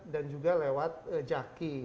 dan juga lewat jaki